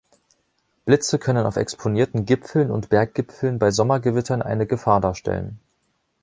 Blitze können auf exponierten Gipfeln und Berggipfeln bei Sommergewittern eine Gefahr darstellen.